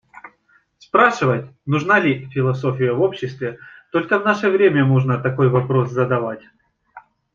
Спрашивать «нужна ли философия в обществе» - только в наше время можно такой вопрос задавать.